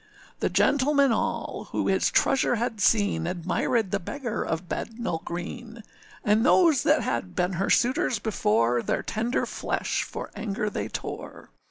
â The gentlemen all, who his treasure had seen, Admirèd the beggar of Bednall Green; And those that had been her suitors before, Their tender flesh for anger they tore.